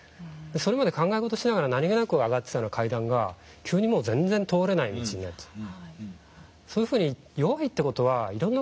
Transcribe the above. それまで考え事しながら何気なく上がってた階段が急にもう全然通れない道になっちゃう。